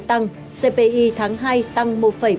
tăng cpi tháng hai tăng một bốn mươi hai